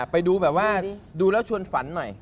ไปดูแบบว่าดูแล้วชวนฝันใหม่